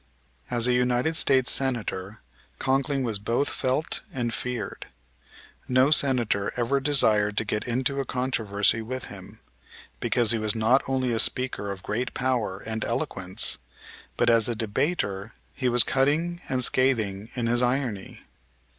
As a United States Senator Conkling was both felt and feared. No Senator ever desired to get into a controversy with him, because he was not only a speaker of great power and eloquence, but as a debater he was cutting and scathing in his irony.